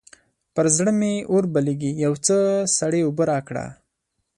پر زړه مې اور بلېږي؛ يو څه سړې اوبه راکړه.